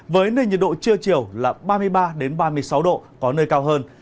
với nền nhiệt độ trưa chiều là ba mươi ba ba mươi sáu độ có nơi cao hơn